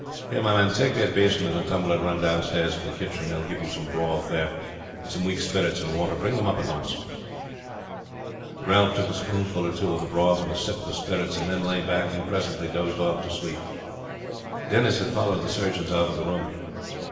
"Here, my man, take that basin and a tumbler and run downstairs to the kitchen. They will give you some broth there and some weak spirits and water. Bring them up at once." Ralph took a spoonful or two of the broth, and a sip of the spirits, and then lay back and presently dozed off to sleep. Denis had followed the surgeons out of the room.